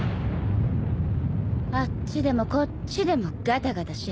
・あっちでもこっちでもガタガタし始めた。